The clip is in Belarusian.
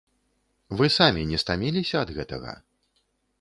Вы самі не стаміліся ад гэтага?